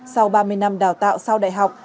sau ba mươi năm đào tạo sau đại học